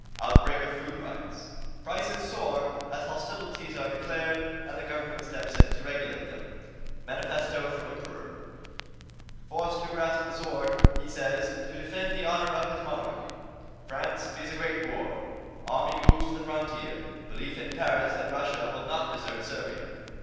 OUTBREAK OF FOOD RIOTS Prices Soar as Hostilities Are Declared and the Government Steps in to Regulate Them. MANIFESTO FROM EMPEROR Forced to Grasp the Sword, He Says, to Defend the Honor of His Monarchy. FRANCE FEARS A GREAT WAR Army Moves to the Frontier Belief in Paris That Russia Will Not Desert Servia.